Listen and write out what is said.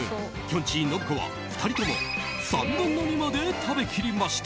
んちぃ、信子は２人とも３分の２まで食べきりました。